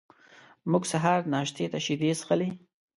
موږ سهار ناشتې ته شیدې څښلې.